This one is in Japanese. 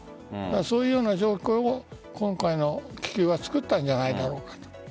そういう状況を今回の気球はつくったんじゃないだろうかと。